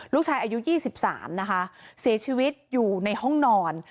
ลูกชายอายุ๒๓นะคะเสียชีวิตอยู่ในห้องนอน